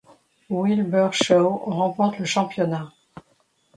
Wilbur Shaw remporte le championnat.